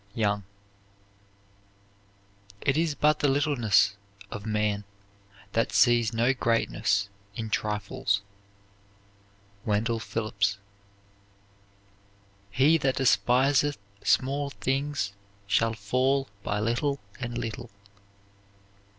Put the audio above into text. YOUNG. It is but the littleness of man that sees no greatness in trifles. WENDELL PHILLIPS. He that despiseth small things shall fall by little and little.